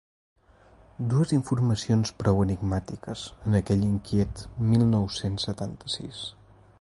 Dues informacions prou enigmàtiques en aquell inquiet mil nou-cents setanta-sis.